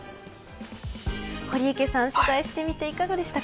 堀池さん、取材してみていかがでしたか。